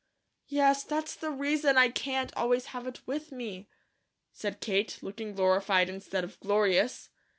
"Yes, that's the reason I can't always have it with me," said Kate, looking glorified instead of glorious.